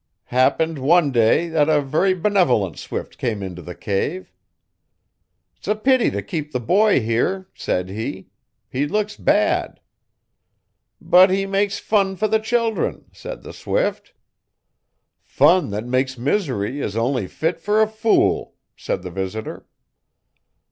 Happened one day et a very benevolent swift come int' the cave. '"'S a pity t' keep the boy here," said he; "he looks bad." '"But he makes fun fer the children," said the swift. '"Fun that makes misery is only fit fer a fool," said the visitor.